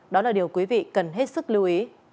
đó là điều quý vị cần hết sức lưu ý